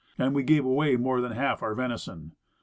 And we gave away more than half our venison.